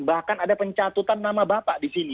bahkan ada pencatutan nama bapak di sini